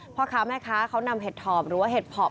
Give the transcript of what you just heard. พ่อค้าแม่ค้าเขานำเห็ดถอบหรือว่าเห็ดเพาะ